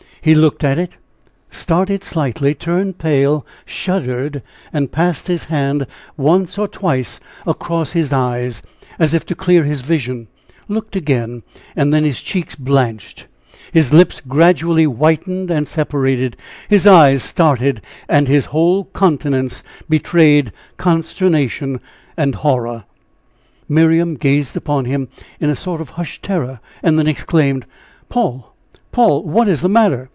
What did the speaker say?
He looked at it, started slightly, turned pale, shuddered, passed his hand once or twice across his eyes, as if to clear his vision, looked again, and then his cheeks blanched, his lips gradually whitened and separated, his eyes started, and his whole countenance betrayed consternation and horror. Miriam gazed upon him in a sort of hushed terror then exclaimed: "Paul! Paul! what is the matter?